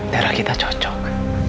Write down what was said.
darah kita cocok